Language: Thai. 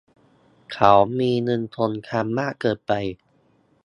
เขามีเงินคงคลังมากเกินไป